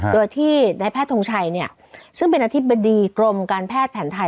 โดยที่นายแพทย์ทงชัยซึ่งเป็นอธิบดีกรมการแพทย์แผนไทย